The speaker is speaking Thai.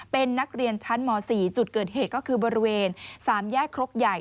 เป็นนักเรียนชั้นม๔จุดเกิดเหตุก็คือบริเวณ๓แยกครกใหญ่